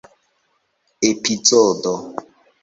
epizodo